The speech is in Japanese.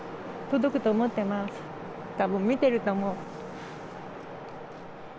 たぶん見てると思う。